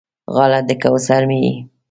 غاړه د کوثر مې یې